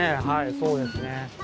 そうですね。